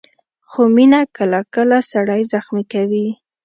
خو مینه کله کله سړی زخمي کوي.